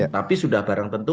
tapi sudah barang tentu